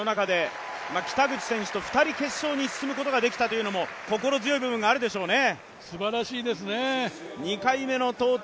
北口選手と２人決勝に進むことができたのも心強い部分があるでしょうね。